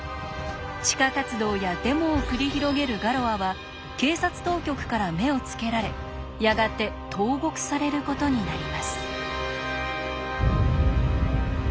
地下活動やデモを繰り広げるガロアは警察当局から目をつけられやがて投獄されることになります。